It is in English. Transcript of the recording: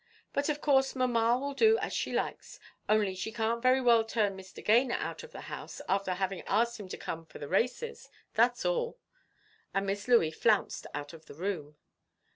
But of course mamma will do as she likes, only she can't very well turn Mr. Gayner out of the house after having asked him to come for the races, that's all:" and Miss Louey flounced out of the room.